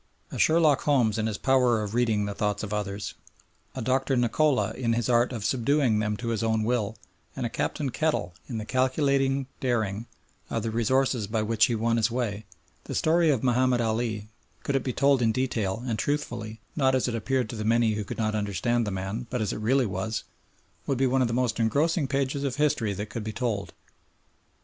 A Sherlock Holmes in his power of reading the thoughts of others, a Doctor Nikola in his art of subduing them to his own will, and a Captain Kettle in the calculating daring of the resources by which he won his way, the story of Mahomed Ali, could it be told in detail and truthfully, not as it appeared to the many who could not understand the man, but as it really was, would be one of the most engrossing pages of history that could be told.